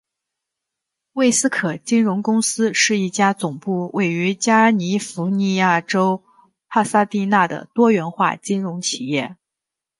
魏斯可金融公司是一家总部位于加尼福尼亚州帕萨迪纳的多元化金融企业。